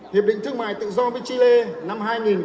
hiệp định thương mại tự do với chile năm hai nghìn một mươi tám